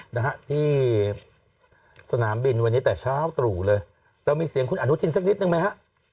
นะฮะที่สนามบินวันนี้แต่เช้าตรู่เลยเรามีเสียงคุณอนุทินสักนิดนึงไหมฮะ